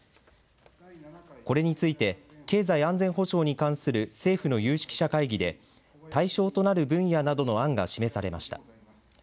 これについて経済安全保障に関する政府の有識者会議で対象となる分野などの案が示されました。